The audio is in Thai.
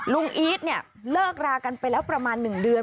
ลุงอี๊ดเลิกรากันไปแล้วประมาณหนึ่งเดือน